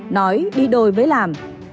nói đi đôi với làm